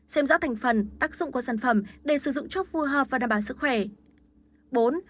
xem rõ thành phần tác dụng của sản phẩm để sử dụng chóp phù hợp và đảm bảo sức khỏe